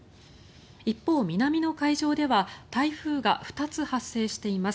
一方、南の海上では台風が２つ発生しています。